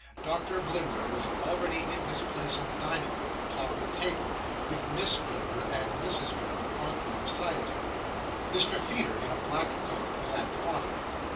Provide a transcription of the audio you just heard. Doctor Blimber was already in his place in the dining room, at the top of the table, with Miss Blimber and Mrs Blimber on either side of him. Mr Feeder in a black coat was at the bottom.